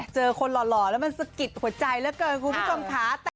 เจอคนหล่อแล้วมันสะกิดหัวใจเหลือเกินคุณผู้ชมค่ะ